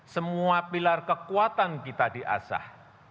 semua pilar kekuatan kita diasah